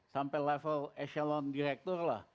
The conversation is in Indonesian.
sampai level eselon direktur lah